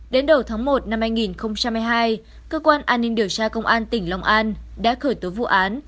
đến đầu tháng một năm hai nghìn hai mươi hai cơ quan an ninh điều tra công an tỉnh long an đã khởi tố vụ án